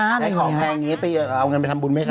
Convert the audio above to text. ได้ของแพงอย่างนี้ไปเอาเงินไปทำบุญไหมค